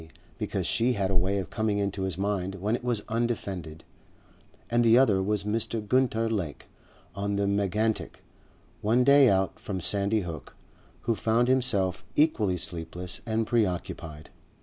because she had a way of coming into his mind when it was undefended; and the other was Mr. Gunter Lake on the Megantic, one day out from Sandy Hook, who found himself equally sleepless and preoccupied.